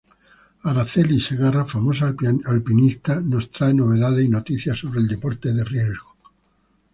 Araceli Segarra, famosa alpinista, nos trae novedades y noticias sobre el deporte de riesgo